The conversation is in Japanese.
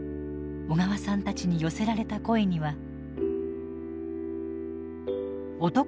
小川さんたちに寄せられた声には。